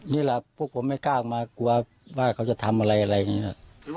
นี่แหละพวกผมไม่กล้าออกมากลัวว่าเขาจะทำอะไรอะไรอย่างนี้